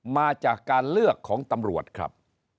มาจากการเลือกของตำรวจครับ